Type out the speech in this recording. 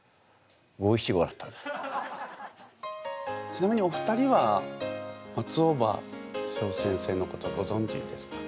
ちなみにお二人は松尾葉翔先生のことごぞんじですか？